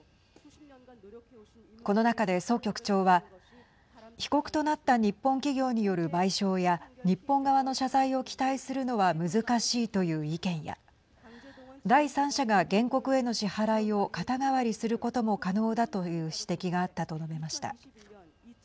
この中で、ソ局長は被告となった日本企業による賠償や日本側の謝罪を期待するのは難しいという意見や第三者が原告への支払いを肩代わりすることも可能だという指摘があったと述べました。